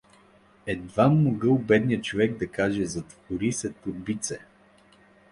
Едвам могъл бедният човек да каже: Затвори се, торбице!